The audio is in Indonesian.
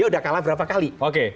dia udah kalah berapa kali